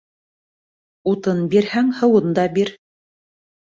Утын бирһәң һыуын да бир.